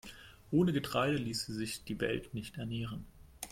Ohne Getreide ließe sich die Welt nicht ernähren.